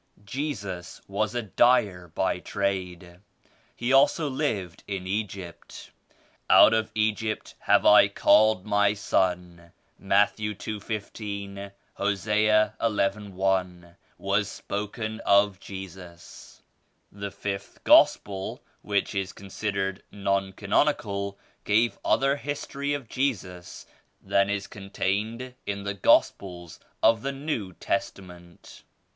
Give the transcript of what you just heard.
"Jesus was a dyer by trade. He also lived in Egypt. *Out of Egypt have I called My Son' (Matt. 2 15) (Hosea ii i) was spoken of Jesus. The 5th Gospel which is considered non canonical gave other history of Jesus than is con tained in the Gospels of the New Testament.